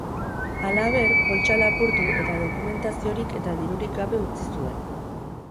Halaber, poltsa lapurtu, eta dokumentaziorik eta dirurik gabe utzi zuen.